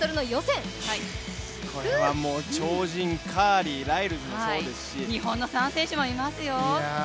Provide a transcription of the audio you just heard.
これは超人、カーリー、ライルズもそうですし日本の３選手もいますよ。